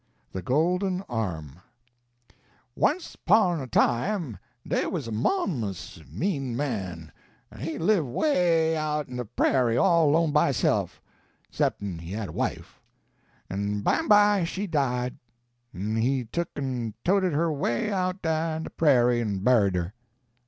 THE GOLDEN ARM Once 'pon a time dey wuz a monsus mean man, en he live 'way out in de prairie all 'lone by hisself, 'cep'n he had a wife. En bimeby she died, en he tuck en toted her way out dah in de prairie en buried her.